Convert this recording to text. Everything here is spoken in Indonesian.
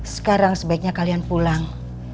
sekarang sebaiknya kalian pulang